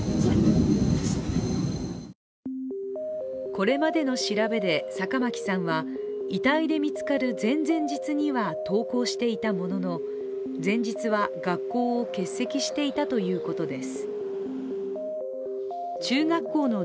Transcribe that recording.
これまでの調べで、坂巻さんは遺体で見つかる前々日には登校していたものの前日は、学校を欠席していたということです。